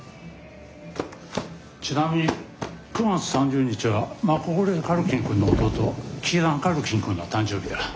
ちなみに９月３０日はマコーレー・カルキンくんの弟キーラン・カルキンくんの誕生日だ。